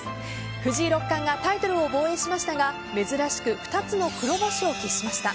藤井六冠がタイトルを防衛しましたが珍しく２つの黒星を喫しました。